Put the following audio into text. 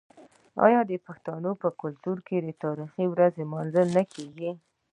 آیا د پښتنو په کلتور کې د تاریخي ورځو لمانځل نه کیږي؟